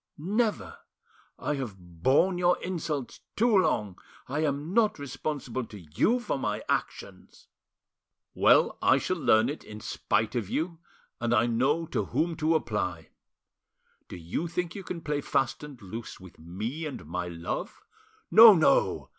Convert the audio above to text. "Never! I have borne your insults too long. I am not responsible to you for my actions." "Well, I shall learn it, in spite of you, and I know to whom to apply. Do you think you can play fast and loose with me and my love? No, no!